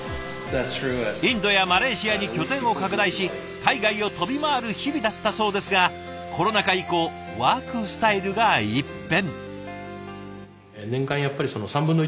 インドやマレーシアに拠点を拡大し海外を飛び回る日々だったそうですがコロナ禍以降ワークスタイルが一変。